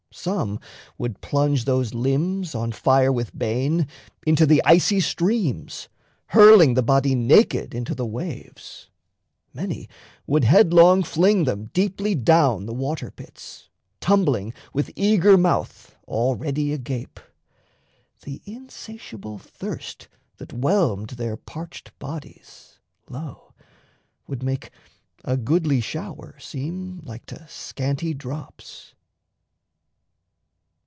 Some would plunge those limbs On fire with bane into the icy streams, Hurling the body naked into the waves; Many would headlong fling them deeply down The water pits, tumbling with eager mouth Already agape. The insatiable thirst That whelmed their parched bodies, lo, would make A goodly shower seem like to scanty drops.